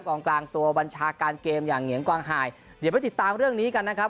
กลางตัวบัญชาการเกมอย่างเหงียงกวางหายเดี๋ยวไปติดตามเรื่องนี้กันนะครับ